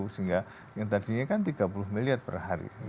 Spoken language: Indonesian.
sehingga yang tadinya kan tiga puluh miliar perhari